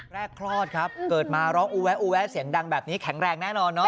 คลอดครับเกิดมาร้องอูแวะอูแวะเสียงดังแบบนี้แข็งแรงแน่นอนเนอ